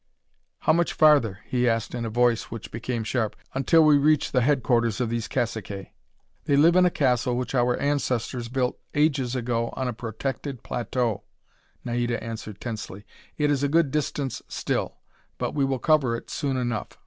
"How much farther," he asked in a voice which became sharp, "until we reach the headquarters of these caciques?" "They live in a castle which our ancestors built ages ago on a protected plateau," Naida answered tensely. "It is a good distance still, but we will cover it soon enough."